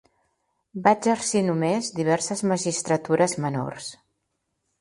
Va exercir només diverses magistratures menors.